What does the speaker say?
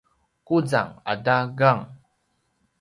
quzang ata gang